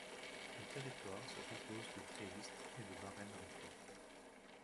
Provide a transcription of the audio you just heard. Le territoire se compose du Geest et de marais maritimes.